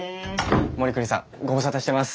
護国さんご無沙汰してます。